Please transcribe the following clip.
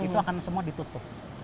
itu akan semua ditutup